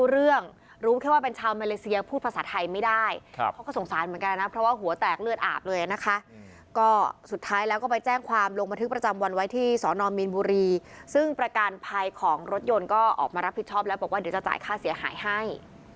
ลงบัตรธึกประจำวันไว้ที่สมีนบุรีซึ่งประการภัยของรถยนต์ก็ออกมารับผิดชอบแล้วบอกว่าเดี๋ยวจะจ่ายค่าเสียหายให้